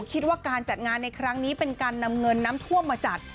คิดว่าการจัดงานในครั้งนี้เป็นการนำเงินน้ำท่วมมาจัด